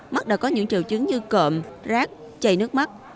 mắt đã có những triệu chứng như cợm rác chảy nước mắt